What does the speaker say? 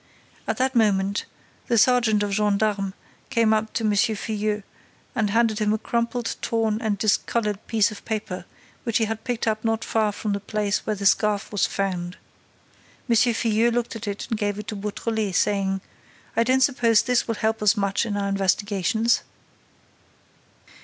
At that moment, the sergeant of gendarmes came up to M. Filleul and handed him a crumpled, torn and discolored piece of paper, which he had picked up not far from the place where the scarf was found. M. Filleul looked at it and gave it to Beautrelet, saying: "I don't suppose this will help us much in our investigations."